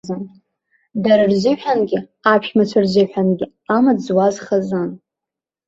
Дара рзыҳәангьы, аԥшәмацәа рзыҳәангьы амаҵ зуаз хазын.